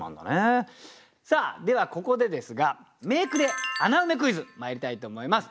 さあではここでですが「名句ｄｅ穴埋めクイズ」まいりたいと思います。